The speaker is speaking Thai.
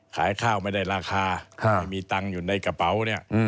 ขายข้าวไม่ได้ราคาไม่มีตังค์อยู่ในกระเป๋าเนี่ย